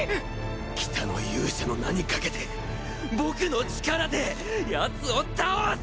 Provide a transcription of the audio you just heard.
北の勇者の名にかけて僕の力でヤツを倒す！